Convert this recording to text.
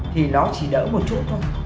thì nó chỉ đỡ một chút thôi